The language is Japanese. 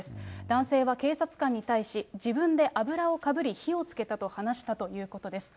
男性は警察官に対し、自分で油をかぶり、火をつけたと話したということです。